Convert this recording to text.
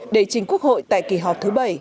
đầy trình quốc hội tại kỳ họp thứ bảy